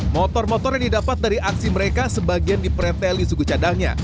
motor motor yang didapat dari aksi mereka sebagian di pretel di suguh cadangnya